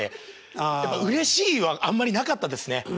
やっぱ「うれしい」はあんまりなかったですね。